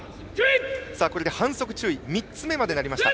これで反則注意が３つ目になりました。